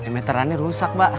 meterannya rusak mbak